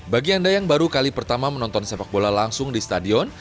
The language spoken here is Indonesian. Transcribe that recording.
bagi anda yang baru kali pertama menonton sepak bola langsung di stadion